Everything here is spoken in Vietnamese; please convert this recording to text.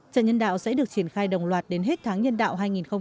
chợ nhân đạo sẽ được triển khai đồng loạt đến hết tháng nhân đạo hai nghìn hai mươi